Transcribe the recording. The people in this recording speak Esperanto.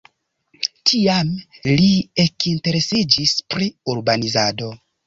Tiame li ekinteresiĝis pri urbanizado.